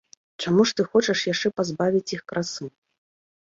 Чаму ж ты хочаш яшчэ пазбавіць іх красы!